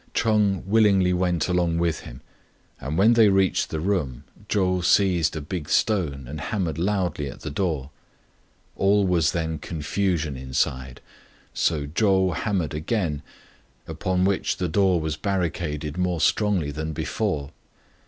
Ch'eng willingly went along with him ; and when they reached the room, Chou seized a big stone and hammered loudly at the door. All was then confusion inside, so Chou hammered again, upon which the door was barricaded more strongly than before.